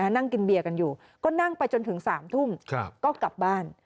นั่งกินเบียร์กันอยู่ก็นั่งไปจนถึง๓ทุ่มก็กลับบ้าน